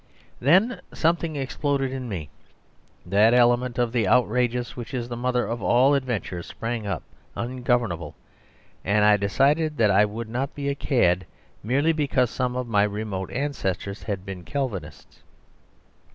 Then something exploded in me; that element of the outrageous which is the mother of all adventures sprang up ungovernable, and I decided that I would not be a cad merely because some of my remote ancestors had been Calvinists.